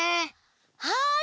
はい！